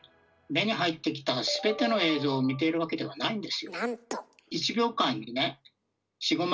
目に入ってきたすべての映像を見ているわけではないんですよ。